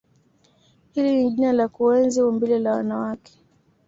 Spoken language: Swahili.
Hili ni jina la kuenzi umbile la wanawake